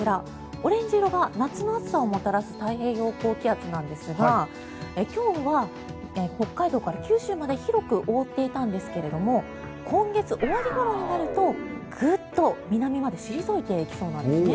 オレンジ色が夏の暑さをもたらす太平洋高気圧なんですが今日は北海道から九州まで広く覆っていたんですが今月終わりごろになるとグッと南まで退いていきそうなんですね。